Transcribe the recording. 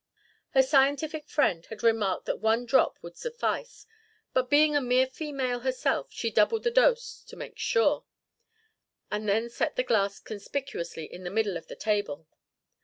Her scientific friend had remarked that one drop would suffice, but being a mere female herself she doubled the dose to make sure; and then set the glass conspicuously in the middle of the table.